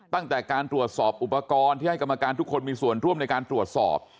ตั้งแต่การตรวจสอบอุปกรณ์ที่ให้กรรมการทุกคนมีส่วนร่วมในการตรวจสอบ